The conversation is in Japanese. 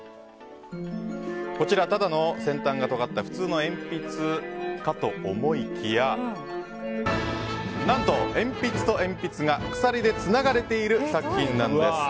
こちら、ただ先端がとがった普通の鉛筆かと思いきや何と、鉛筆と鉛筆が鎖でつながれている作品なんです。